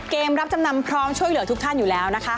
เกมรับจำนำพร้อมช่วยเหลือทุกท่านอยู่แล้วนะคะ